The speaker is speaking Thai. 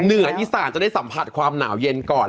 เหนืออีสานจะได้สัมผัสความหนาวเย็นก่อน